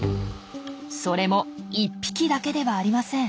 それも１匹だけではありません。